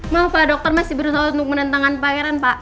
maaf pak dokter masih belum tahu menentang pangeran pak